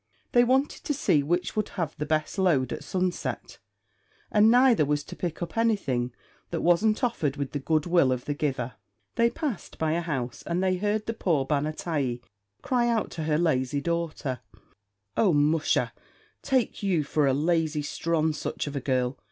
They wanted to see which would have the best load at sunset, and neither was to pick up anything that wasn't offered with the good will of the giver. They passed by a house, and they heard the poor ban a t'yee cry out to her lazy daughter, "Oh, musha, take you for a lazy sthronsuch of a girl!